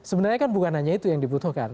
sebenarnya kan bukan hanya itu yang dibutuhkan